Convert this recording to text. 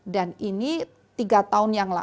dan ini tiga tahun yang